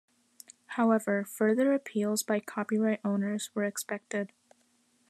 However, further appeals by copyright owners were expected.